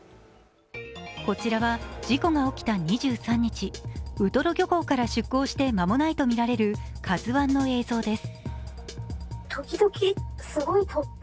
こちらは事故が起きた２３日、ウトロ漁港から出港して間もないとみられる「ＫＡＺＵⅠ」の映像です。